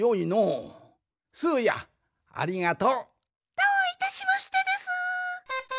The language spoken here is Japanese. どういたしましてでスー。